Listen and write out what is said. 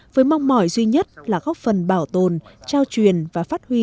với mong mỏi duy nhất là góp phần bảo tồn trao truyền và phát huy